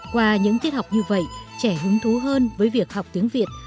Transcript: qua những tiết học như vậy trẻ hứng thú hơn với việc học tiếng việt